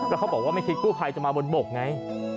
แล้วเขาบอกว่าไม่คิดกู้ภัยจะมาบนบกไง